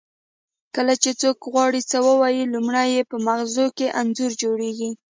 کله چې څوک غواړي څه ووایي لومړی یې په مغزو کې انځور جوړیږي